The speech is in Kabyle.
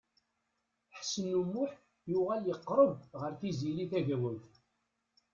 Ḥsen U Muḥ yuɣal yeqreb ɣer Tiziri Tagawawt.